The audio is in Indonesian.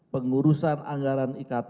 pengurusan anggaran iktp